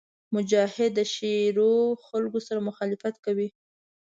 مجاهد د شریرو خلکو سره مخالفت کوي.